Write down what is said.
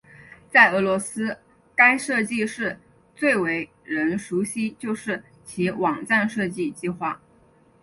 在俄罗斯该设计室最为人熟悉就是其网站设计计划。